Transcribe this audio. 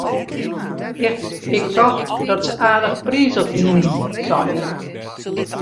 Ik tocht dat se aardich prizich wienen, sei er.